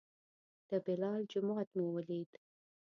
د بلال جومات مو ولید.